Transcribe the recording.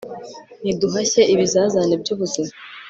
niduhashye ibizazane by'ubuzima